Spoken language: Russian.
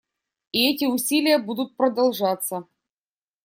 И эти усилия будут продолжаться.